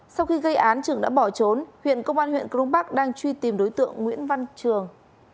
sau khi gây án trưởng đã bỏ trốn huyện công an huyện cron park đang truy tìm đối tượng nguyễn văn trường